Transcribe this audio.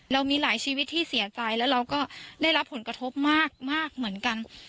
เรามีหลายชีวิตที่เสียใจแล้วเราก็ได้รับผลกระทบมากเหมือนกัน